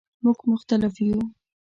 مونږ مختلف یو